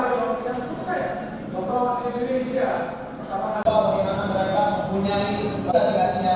yang berkaku kaku maupun yang berkaku kaku ada rekam wawang kk dan juga